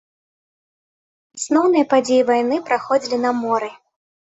Асноўныя падзеі вайны праходзілі на моры.